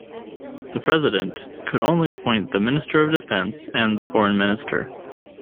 The President could only appoint the Minister of Defence and Foreign Minister.